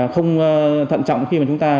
không thận trọng khi mà chúng ta